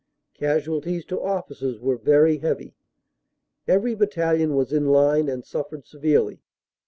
Casualties to officers were very heavy. Every battalion was in line and suffered severely.